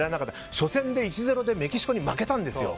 初戦で１−０でメキシコに負けたんですよ。